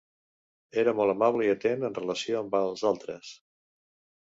Era molt amable i atent en relació amb els altres.